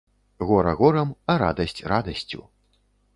Гора горам, а радасць радасцю.